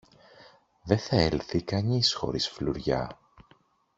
δε θα έλθει κανείς χωρίς φλουριά!